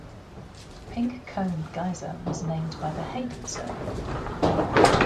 Pink Cone Geyser was named by the Hayden Survey.